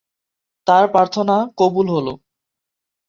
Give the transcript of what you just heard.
তার প্রার্থনা কবুল হলো।